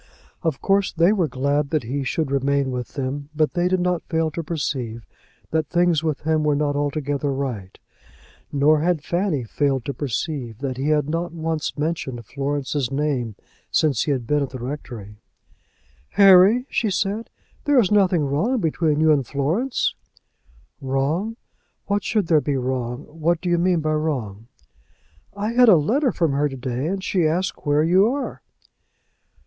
Of course they were glad that he should remain with them, but they did not fail to perceive that things with him were not altogether right; nor had Fanny failed to perceive that he had not once mentioned Florence's name since he had been at the rectory. "Harry," she said, "there is nothing wrong between you and Florence?" [Illustration: "Harry," she said, "there is nothing wrong between you and Florence?"] "Wrong! what should there be wrong? What do you mean by wrong?" "I had a letter from her to day and she asks where you are."